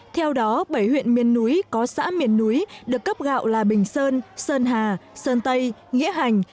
theo đó bảy huyện miền núi có xã miền núi được cấp gạo là bình sơn sơn hà sơn tây nghĩa hành